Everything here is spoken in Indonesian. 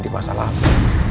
di masa lalu